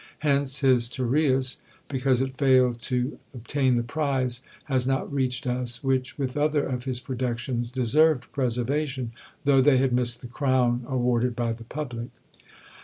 Hence his "Tereus," because it failed to obtain the prize, has not reached us, which, with other of his productions, deserved preservation, though they had missed the crown awarded by the public.